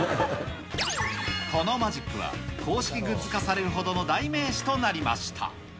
このマジックは、公式グッズ化されるほどの代名詞となりました。